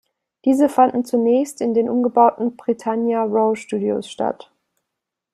Diese fanden zunächst in den umgebauten Britannia Row Studios statt.